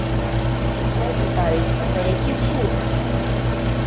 Зноў пытаюся, на які суд?